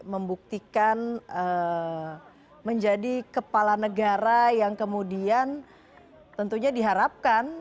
membuktikan menjadi kepala negara yang kemudian tentunya diharapkan